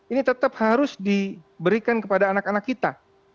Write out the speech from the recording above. ini tetap harus diberikan kepada anak anak kita